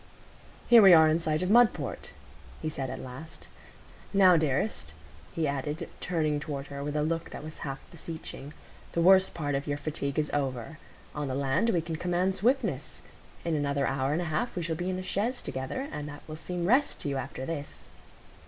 "Here we are in sight of Mudport," he said at last. "Now, dearest," he added, turning toward her with a look that was half beseeching, "the worst part of your fatigue is over. On the land we can command swiftness. In another hour and a half we shall be in a chaise together, and that will seem rest to you after this."